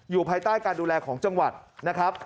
ภายใต้การดูแลของจังหวัดนะครับ